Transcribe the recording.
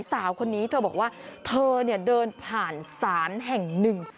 สาวคนนี้เธอบอกว่าเธอเนี่ยเดินผ่านศาลแห่งหนึ่ง